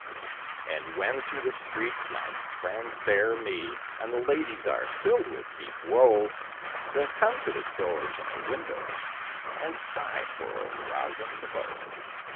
And when through the streets my friends bear me, And the ladies are filled with deep woe, They'll come to the doors and the windows And sigh for Old Rosin the Bow.